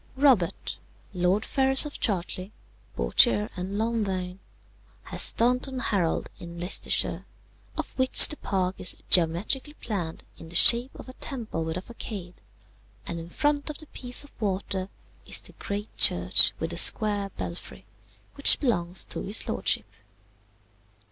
"Robert, Lord Ferrers of Chartly, Bourchier, and Lonvaine, has Staunton Harold in Leicestershire, of which the park is geometrically planned in the shape of a temple with a façade, and in front of the piece of water is the great church with the square belfry, which belongs to his lordship.